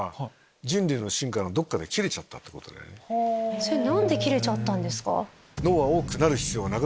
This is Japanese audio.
つまり。何で切れちゃったんですか？